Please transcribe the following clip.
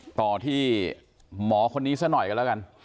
ต่อที่หมอคนนี้ซะหน่อยกันแล้วกัน